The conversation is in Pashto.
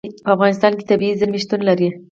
په افغانستان کې طبیعي زیرمې شتون لري.